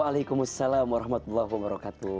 waalaikumsalam warahmatullahi wabarakatuh